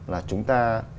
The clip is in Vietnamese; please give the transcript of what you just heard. là chúng ta